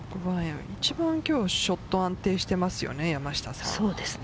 一番今日ショットが安定してますよね、山下さん。